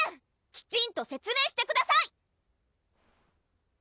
きちんと説明してください！